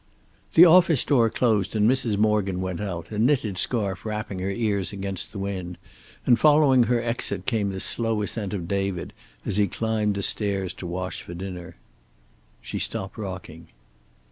The office door closed and Mrs. Morgan went out, a knitted scarf wrapping her ears against the wind, and following her exit came the slow ascent of David as he climbed the stairs to wash for dinner. She stopped rocking.